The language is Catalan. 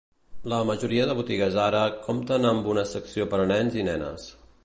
La majoria de botigues Zara compten amb una secció per a nens i nenes.